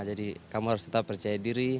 jadi kamu harus tetap percaya diri